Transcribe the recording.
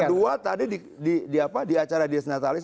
kedua tadi di acara dies natalis